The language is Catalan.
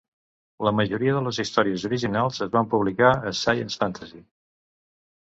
La majoria de les històries originals es van publicar a Science Fantasy.